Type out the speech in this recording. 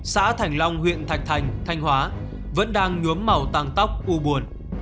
xã thành long huyện thạch thành thanh hóa vẫn đang nhuốm màu tăng tóc u buồn